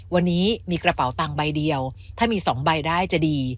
วันนี้มีกระเป๋าตังค์ใบเดียวถ้ามี๒ใบได้จะดี